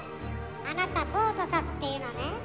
あなたボートサスっていうのね。